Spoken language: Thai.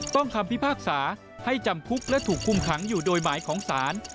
คำพิพากษาให้จำคุกและถูกคุมขังอยู่โดยหมายของศาล